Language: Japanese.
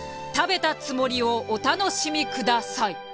食べたつもりをお楽しみください。